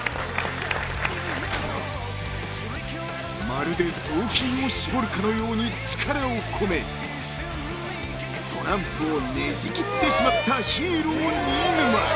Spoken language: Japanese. ［まるで雑巾を絞るかのように力を込めトランプをねじ切ってしまったヒーロー新沼］